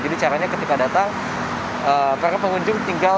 jadi caranya ketika datang para pengunjung tinggal